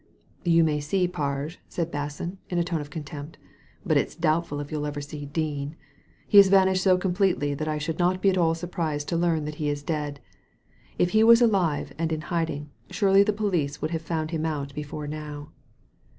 " You may see Parge," said Basson, in a tone of contempt, " but it's doubtful if you'll ever see Dean. He has vanished so completely, that I should not be at all surprised to learn that he is dead. If he was alive and in hiding, surely the police would have found him out before now."